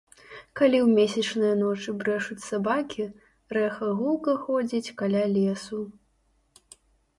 Калі ў месячныя ночы брэшуць сабакі, рэха гулка ходзіць каля лесу.